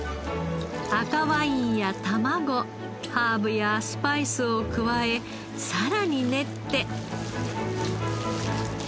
赤ワインや卵ハーブやスパイスを加えさらに練って。